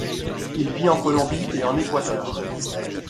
Il vit en Colombie et en Équateur.